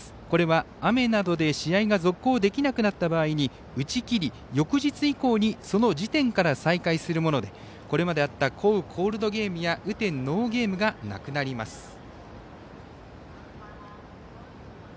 これは雨などで試合が続行できなくなった場合に打ち切り、翌日以降にその時点から再開するものでこれまであった降雨コールドゲームや雨天ノーゲームがなくなります。